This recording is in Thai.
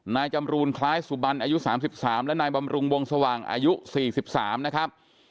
นายจำรูนคล้ายสุบันอายุ๓๓และนายบำรุงวงสว่างอายุ๔๓นะครับ